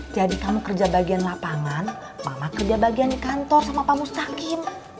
jadi kamu kerja bagian lapangan mama kerja bagian kantor sama pak mustaqim